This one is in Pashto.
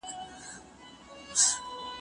لایق ستا د پيکي نه شو، پېزوان نه شو دا غر